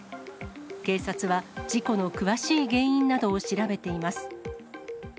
警察は、事故の詳しい原因などを調べています。